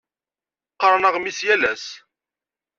Qqareɣ aɣmis yal ass.